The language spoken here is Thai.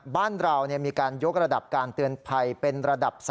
บ้านเรามีการยกระดับการเตือนภัยเป็นระดับ๓